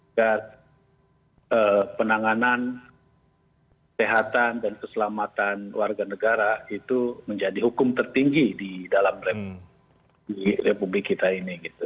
agar penanganan kesehatan dan keselamatan warga negara itu menjadi hukum tertinggi di dalam republik kita ini gitu